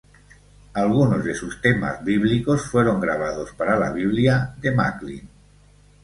Algunos de sus temas bíblicos fueron grabados para la Biblia de Macklin.